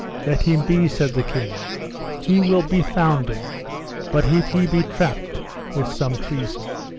Let him be, said the king, he will be founden, but if he be trapped with some treason.